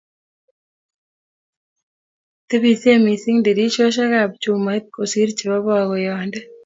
tebisot mising dirisiosekab chumait kosir chebo bakoyande